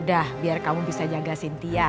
udah biar kamu bisa jaga sintia